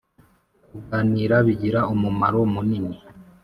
Kuganira bigira umumaro munini